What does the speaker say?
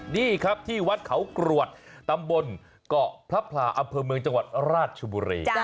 นี่ครับที่วัดเขากรวดตำบลเกาะพระพลาอำเภอเมืองจังหวัดราชบุรี